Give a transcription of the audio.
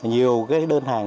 nhiều cái đơn hàng